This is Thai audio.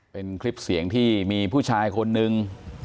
เป็นคลิปเสียงที่มีผู้ชายคนนึง